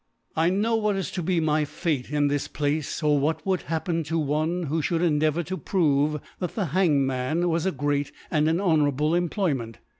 . I know what is to be my f^ate in this Place, or what would happen to one who> ihouid endeavour to prove that the Hang man was a great and an honorable Em ployment.